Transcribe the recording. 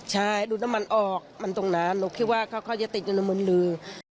ใช่ดูดน้ำมันออกมนตรงนั้นหนูคิดว่าเขาจะติดอยู่ในมนเรือ